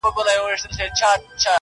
مړ به دي کړې داسې مه کوه